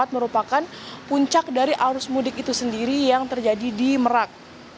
merupakan puncak dari arus mudik itu sendiri yang terjadi di merak